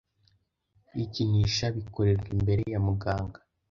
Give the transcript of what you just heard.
Kwikinisha bikorerwa imbere ya muganga